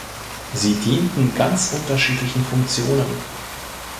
Sie dienten ganz unterschiedlichen Funktionen.